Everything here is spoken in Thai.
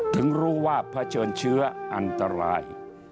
ถึงรู้ว่าเผชิญเชื้ออันตราย